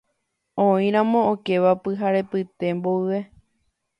oĩramo okéva pyharepyte mboyve